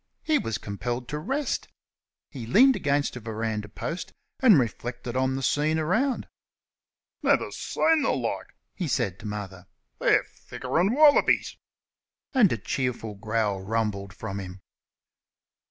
He was compelled to rest. He leaned against a verandah post and reflected on the scene around. "Never see th' like," he said to Mother. "They're thicker'n wallabies!" And a cheerful growl rumbled from him.